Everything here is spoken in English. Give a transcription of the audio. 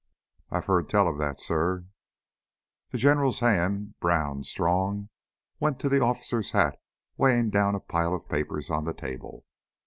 "I've heard tell of that, suh." The General's hand, brown, strong, went to the officer's hat weighing down a pile of papers on the table.